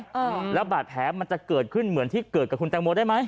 อ้าวอืมอืมแล้วบาดแผลมันจะเกิดขึ้นเหมือนกับคุณแตงบทได้ไหม